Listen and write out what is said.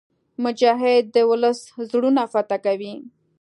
مجاهد د ولس زړونه فتح کوي.